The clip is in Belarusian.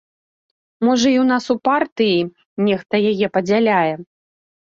Можа і ў нас у партыі нехта яе падзяляе.